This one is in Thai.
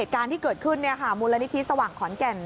การที่เกิดขึ้นมูลนิธิสว่างขอนแก่น